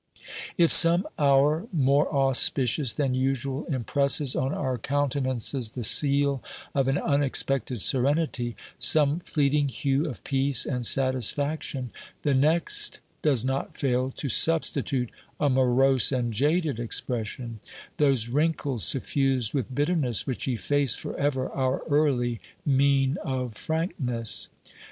If some hour more auspicious than usual impresses on our countenances the seal of an unexpected serenity, some fleeting hue of peace and satisfaction, the next does not fail 1 88 OBERMANN to substitute a morose and jaded expression, those wrinkles suffused with bitterness which efface for ever our early mien of frankness.